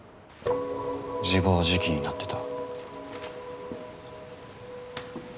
自暴自棄になってた。